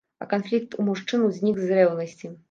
А канфлікт у мужчын узнік з рэўнасці.